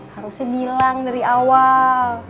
harusnya bilang dari awal